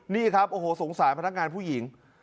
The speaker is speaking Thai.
นี่ครับโอ้โหสงสารพนักงานผู้หญิง